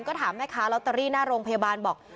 ก็ถามแม่ค้าลอตเตอรี่หน้าโรงพยาบาลบอก